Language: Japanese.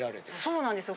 そうなんですよ。